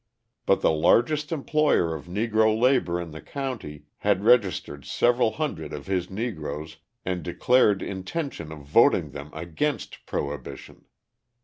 But the largest employer of Negro labor in the county had registered several hundred of his Negroes and declared his intention of voting them against prohibition.